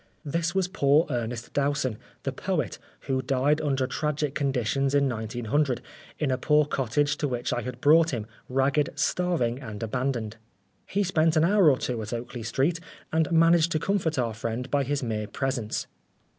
This was poor Ernest Dowson, the poet, who died under tragic conditions in 1900, in a poor cottage to which I had brought him, ragged, starving, and aban doned. He spent an hour or two at Oakley Street, and managed to comfort our friend by his mere presence.